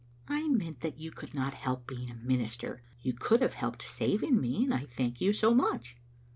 " I meant that you could not help being a minister. You could have helped saving me, and I thank you so much."